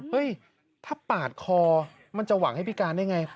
เฮ้ยถ้าปาดคอมันจะหวังให้พิการได้ไง